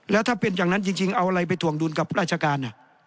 แล้วถ้าเป็นอย่างนั้นจริงเอาอะไรไปถ่วงดุลกับราชการ